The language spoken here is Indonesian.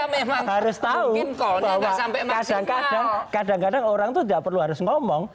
mungkin pak bimo dan pak srey harus tahu bahwa kadang kadang orang itu tidak perlu harus ngomong